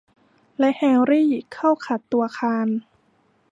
และแฮรี่เข้าขัดตัวคาน